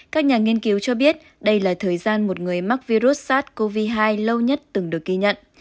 các nhà nghiên cứu cho biết đây là thời gian một người mắc virus sars cov hai lâu nhất từng được ghi nhận